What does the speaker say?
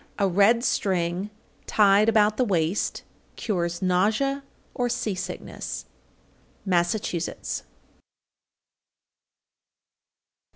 A red string tied about the waist cures nausea or sea sickness. _Massachusetts.